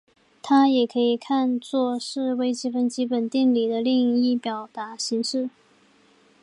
这也可以看作是微积分基本定理另一个表达形式。